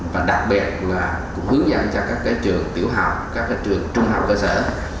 và đặc biệt là cũng hướng dẫn cho các trường tiểu học các trường trung học cơ sở